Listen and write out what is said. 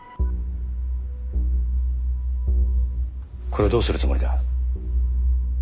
これをどうするつもりだ？